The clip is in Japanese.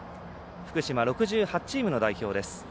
福島６８チームの代表です。